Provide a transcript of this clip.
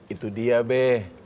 itu dia be